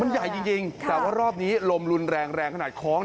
มันใหญ่จริงแต่ว่ารอบนี้ลมรุนแรงแรงขนาดคล้อง